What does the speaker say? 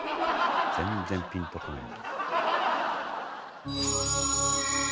全然ピンとこないな。